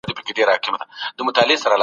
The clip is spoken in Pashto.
اقتصادي مرسته یو انساني او دیني عمل دی.